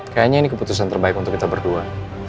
kayaknya ini keputusan terbaik untuk kita berdua